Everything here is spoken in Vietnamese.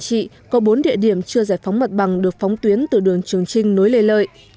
tuyến đường quảng trị có bốn địa điểm chưa giải phóng mặt bằng được phóng tuyến từ đường trường trinh nối lề lợi